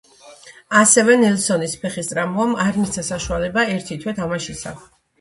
ასევე ნელსონის ფეხის ტრავმამ არ მისცა საშუალება ერთი თვე თამაშისა.